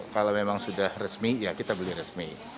kalau memang sudah resmi ya kita beli resmi